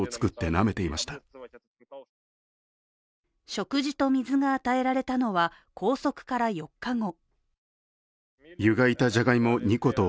食事と水が与えられたのは拘束から４日後。